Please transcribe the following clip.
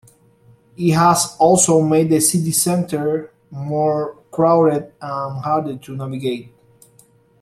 It has also made the city centre more crowded and harder to navigate.